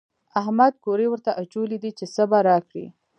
احمد کوری ورته اچولی دی چې څه به راکړي.